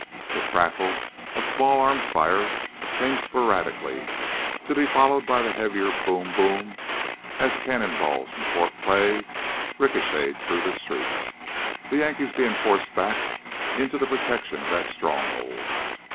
The crackle of small arms fire came sporadically, to be followed by the heavier boom boom as cannon balls from Fort Clay ricocheted through the streets, the Yankees being forced back into the protection of that stronghold.